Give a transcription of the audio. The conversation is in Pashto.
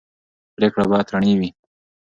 پرېکړې باید رڼې وي